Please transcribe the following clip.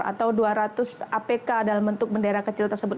atau dua ratus apk dalam bentuk bendera kecil tersebut